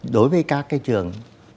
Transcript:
đối với các cái trường